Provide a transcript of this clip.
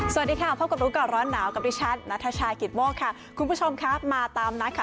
สวัสดีค่ะพบกับรู้ก่อนร้อนหนาวกับดิฉันนัทชายกิตโมกค่ะคุณผู้ชมครับมาตามนัดค่ะ